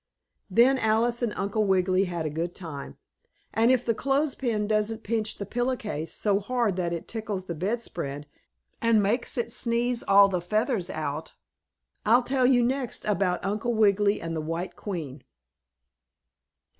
Then Alice and Uncle Wiggily had a good time, and if the clothes pin doesn't pinch the pillow case so hard that it tickles the bedspread and makes it sneeze all the feathers out, I'll tell you next about Uncle Wiggily and the White Queen.